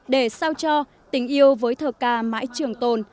để sao cho tình yêu với thờ ca mãi trường tồn